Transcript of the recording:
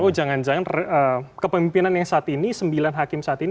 oh jangan jangan kepemimpinan yang saat ini sembilan hakim saat ini